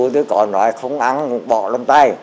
bộ nói không ăn cũng bỏ trong tay